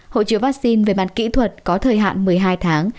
hộ chiếu vaccine về mặt kỹ thuật có thời hạn một mươi hai tháng